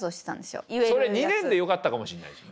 それ２年でよかったかもしんないすよね。